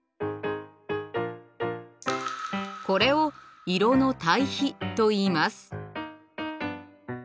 これを色の対比といいます。